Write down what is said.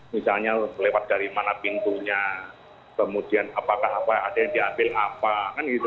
misalnya lewat dari mana pintunya kemudian apakah apa ada yang diambil apa kan gitu